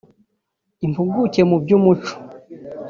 impuguke mu by’umuco